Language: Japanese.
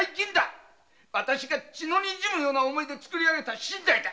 私が血のにじむような思いで作りあげた身代だ。